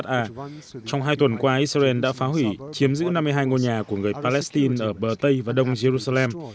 trong hai tuần qua israel đã phá hủy chiếm giữ năm mươi hai ngôi nhà của người palestine ở bờ tây và đông jerusalem